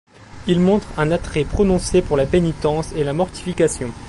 Il montre un attrait prononcé pour la pénitence et la mortification.